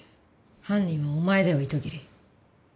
犯人はお前だよ糸切。